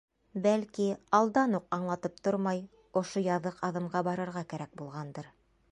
Бәлки, алдан уҡ аңлатып тормай, ошо яҙыҡ аҙымға барырға кәрәк булғандыр.